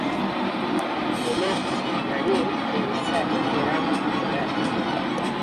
Dimarts na Nit i en Cesc iran a Porreres.